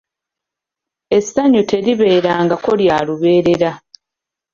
Essanyu teribeerangako lya lubeerera.